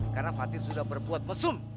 karena fatir sudah berbuat mesum